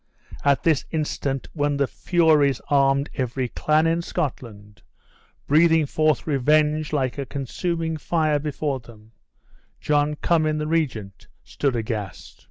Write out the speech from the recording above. At this instant, when the furies armed every clan in Scotland, breathing forth revenge like a consuming fire before them, John Cummin, the regent, stood aghast.